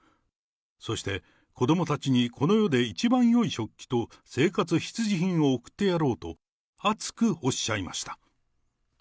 そして子どもたちにこの世で一番よい食器と、生活必需品を送ってやろうと、熱くおっしゃいました。